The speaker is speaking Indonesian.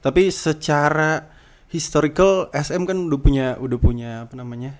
tapi secara historical sm kan udah punya apa namanya